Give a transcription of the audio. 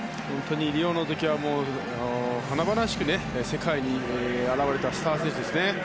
リオの時は華々しく世界に現れたスター選手ですね。